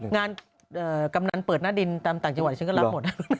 งานกำนันเปิดหน้าดินตามต่างจังหวัดฉันก็รับหมด